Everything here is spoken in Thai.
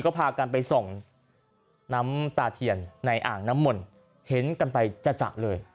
ก็พากันไปส่องน้ำตาเทียนในอ่างน้ำมนต์เห็นกันไปจัดเลย